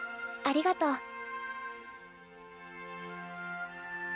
ありがとう。